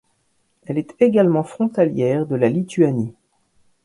Elle est également frontalière de la Lituanie.